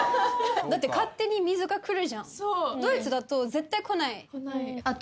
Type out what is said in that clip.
だって勝手に水が来るじゃんそうドイツだと絶対来ない来ないあっ